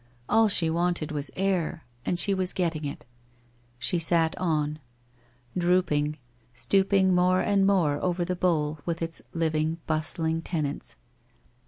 All she wanted was air, and she was getting it. She sat on ... drooping, stooping more and more over the bowl with its living, bustling tenants.